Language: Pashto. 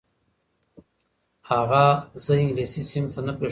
اغا زه انګلیسي صنف ته نه پرېښودلم.